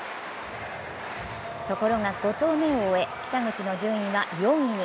ところが５投目を終え、北口の順位は４位に。